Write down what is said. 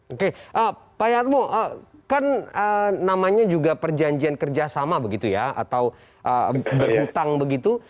oke pak yatmo kan namanya juga perjanjian kerjasama begitu ya atau berhutang begitu